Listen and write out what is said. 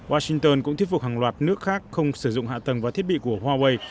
washington cũng thiết phục hàng loạt nước khác không sử dụng hạ tầng và thiết bị của huawei